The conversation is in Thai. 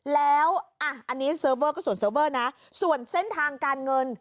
แล้วอันนี้เซิร์ฟเวอร์ก็ส่วนเซิร์ฟเวอร์นะส่วนเส้นทางการเงิน